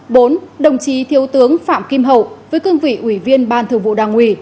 bốn đồng chí thiếu tướng phạm kim hậu với cương vị ủy viên ban thường vụ đảng ủy